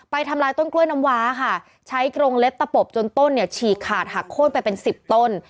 ทำลายต้นกล้วยน้ำว้าค่ะใช้กรงเล็บตะปบจนต้นเนี่ยฉีกขาดหักโค้นไปเป็นสิบต้น